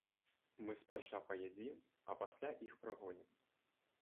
Мы спярша паядзім, а пасля іх прагонім.